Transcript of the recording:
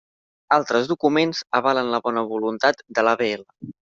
Altres documents avalen la bona voluntat de l'AVL.